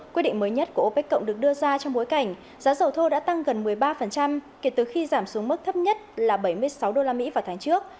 quyết định mới nhất của opec cộng được đưa ra trong bối cảnh giá dầu thô đã tăng gần một mươi ba kể từ khi giảm xuống mức thấp nhất là bảy mươi sáu usd vào tháng trước